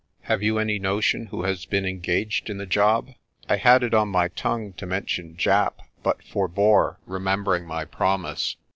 "Have you any notion who has been en gaged in the job?' I had it on my tongue to mention Japp but forebore, remembering my promise.